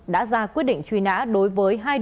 đã ra quyết định truy nã đối với hai đối tượng